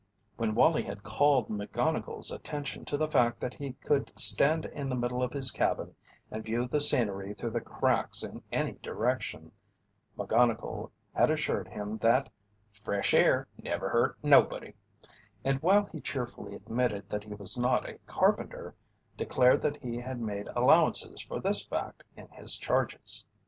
When Wallie had called McGonnigle's attention to the fact that he could stand in the middle of his cabin and view the scenery through the cracks in any direction, McGonnigle had assured him that "fresh air never hurt nobody," and while he cheerfully admitted that he was not a carpenter, declared that he had made allowances for this fact in his charges.